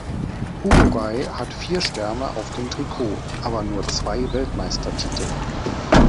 Uruguay hat vier Sterne auf dem Trikot, aber nur zwei Weltmeistertitel.